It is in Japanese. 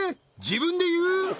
自分で言う？